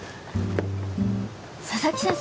佐々木先生？